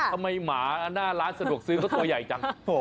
หมาหน้าร้านสะดวกซื้อเขาตัวใหญ่จัง